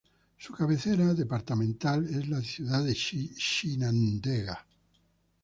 Su cabecera departamental es la ciudad de Chinandega.